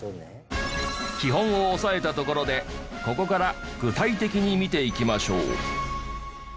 基本を押さえたところでここから具体的に見ていきましょう。